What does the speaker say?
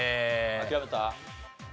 諦めた？